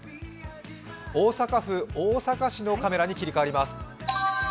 大阪府大阪市のカメラに切り替わります。